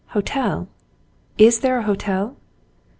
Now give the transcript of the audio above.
"Hotel ? Is there a hotel